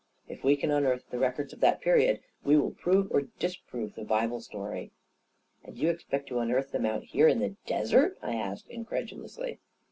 If we can unearth the records of that period, we will prove or disprove the Bible story." 1 " And you expect to unearth them out here in the desert? " I asked incredulously.